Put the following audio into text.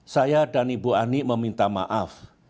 saya dan ibu ani meminta maaf